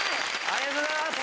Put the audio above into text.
ありがとうございます。